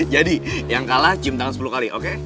jadi yang kalah cium tangan sepuluh kali oke